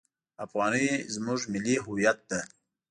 افغانۍ زموږ ملي هویت ده!